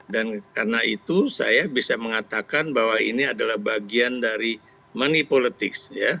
dan karena itu saya bisa mengatakan bahwa ini adalah bagian dari money politics ya